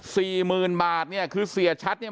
สี่หมื่นบาทเนี่ยคือเสียชัดเนี่ย